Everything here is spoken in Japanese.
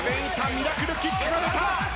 ミラクルキックが出た！